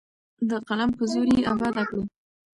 د قلم په زور یې اباده کړو.